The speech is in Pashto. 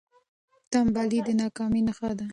ټنبلي د ناکامۍ نښه ده.